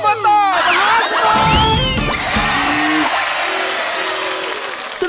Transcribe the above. อบตมหาสนุน